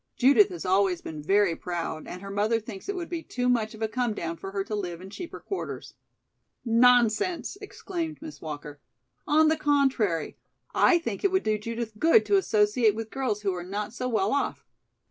Judith has always been very proud and her mother thinks it would be too much of a come down for her to live in cheaper quarters." "Nonsense!" exclaimed Miss Walker. "On the contrary, I think it would do Judith good to associate with girls who are not so well off.